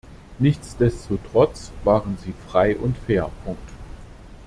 Nichtsdestotrotz waren sie frei und fair.